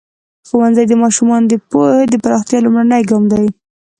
ښوونځی د ماشومانو د پوهې د پراختیا لومړنی ګام دی.